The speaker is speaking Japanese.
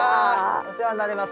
お世話になります